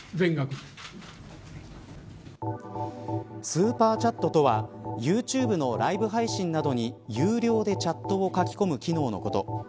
スーパーチャットとはユーチューブのライブ配信などに有料でチャットを書き込む機能のこと。